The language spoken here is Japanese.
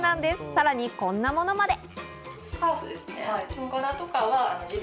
さらに、こんなものまで。